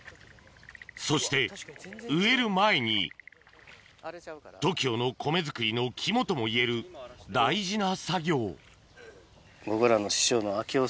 そして植える前にＴＯＫＩＯの米作りの肝ともいえる大事な作業僕らの。